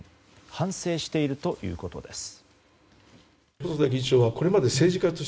反省しているということです。